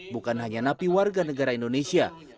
bukan hanya napi warga negara indonesia